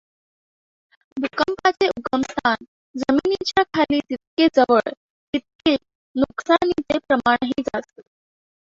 भूकंपाचे उगमस्थान जमिनीच्या खाली जितके जवळ, तितके नुकसानीचे प्रमाणही जास्त.